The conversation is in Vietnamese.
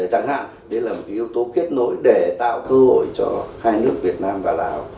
chẳng hạn đấy là một yếu tố kết nối để tạo cơ hội cho hai nước việt nam và lào